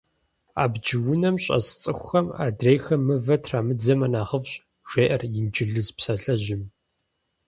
Абдж унэм щӏэс цӏыхухэм адрейхэм мывэ трамыдзэмэ нэхъыфӏщ, жеӏэр инджылыз псалъэжьым.